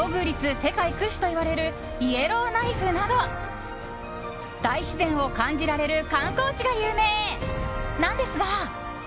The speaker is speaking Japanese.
世界屈指といわれるイエローナイフなど大自然を感じられる観光地が有名なんですが。